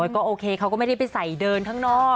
ก็โอเคเขาก็ไม่ได้ไปใส่เดินข้างนอก